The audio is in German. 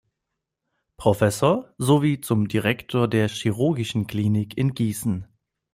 Professor sowie zum Direktor der Chirurgischen Klinik in Gießen.